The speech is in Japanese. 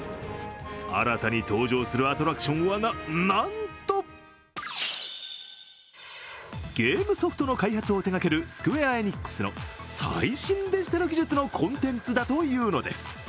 新たに登場するアトラクションは、な、なんとゲームソフトの開発を手がけるスクウェア・エニックスの最新デジタル技術のコンテンツだというのです。